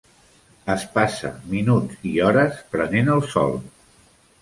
Es passa minuts i hores prenent el sol.